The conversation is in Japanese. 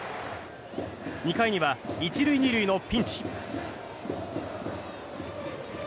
２回には１塁２塁のピンチ。